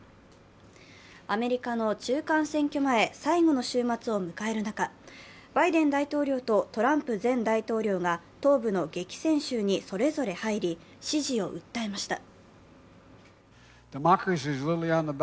アメリカの中間選挙前最後の週末を迎える中、バイデン大統領とトランプ前大統領が東部の激戦州にそれぞれ入り支持を訴えました。